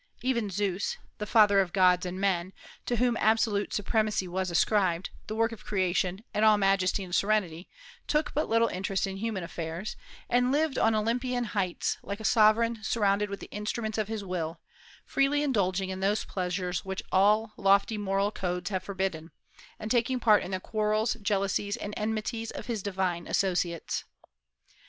Even Zeus, "the Father of gods and men," to whom absolute supremacy was ascribed, the work of creation, and all majesty and serenity, took but little interest in human affairs, and lived on Olympian heights like a sovereign surrounded with the instruments of his will, freely indulging in those pleasures which all lofty moral codes have forbidden, and taking part in the quarrels, jealousies, and enmities of his divine associates.